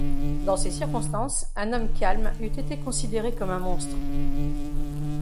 En ces circonstances, un homme calme eût été considéré comme un monstre.